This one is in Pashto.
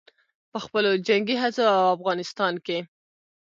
په خپلو جنګي هڅو او افغانستان کښې